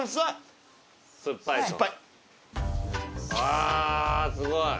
あすごい。